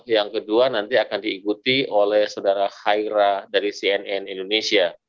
yang kedua nanti akan diikuti oleh saudara haira dari cnn indonesia